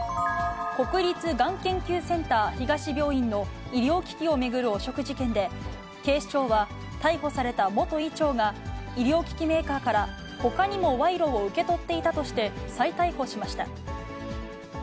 国立がん研究センター東病院の医療機器を巡る汚職事件で、警視庁は逮捕された元医長が、医療機器メーカーからほかにも賄賂を受け取っていたとして再逮捕しました。